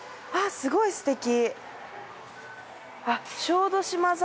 すごいすてき。